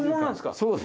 そうです。